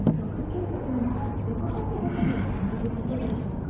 ６九玉もまた６八玉も同じことでしょうか。